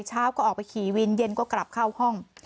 เช้าก็ออกไปขี่วินเย็นก็กลับเข้าห้อง